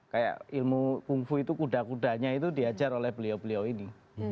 kayak ilmu kungfu itu kuda kudanya itu diajar oleh beliau beliau ini